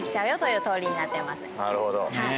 なるほど。